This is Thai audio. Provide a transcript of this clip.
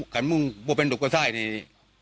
ขันมันเป็นลูกประสาทอีดีกว่า